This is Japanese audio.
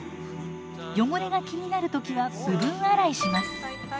汚れが気になる時は部分洗いします。